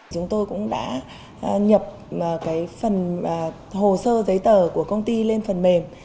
chúng tôi cũng đã nhập phần hồ sơ giấy tờ của công ty lên phần mềm